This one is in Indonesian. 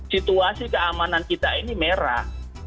situasi keamanan kita ini merah